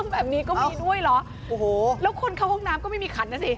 แบบนี้ก็มีด้วยเหรอโอ้โหแล้วคนเข้าห้องน้ำก็ไม่มีขันนะสิ